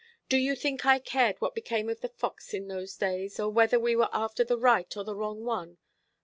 Do you think I cared what became of the fox in those days, or whether we were after the right or the wrong one?